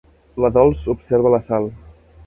La Dols observa la Sal.